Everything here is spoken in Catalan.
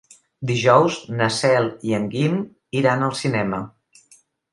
Dijous na Cel i en Guim iran al cinema.